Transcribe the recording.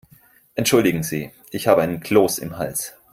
Entschuldigen Sie, ich habe einen Kloß im Hals.